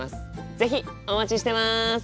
是非お待ちしてます。